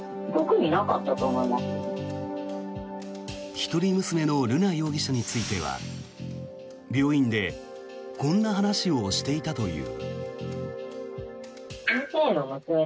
一人娘の瑠奈容疑者については病院でこんな話をしていたという。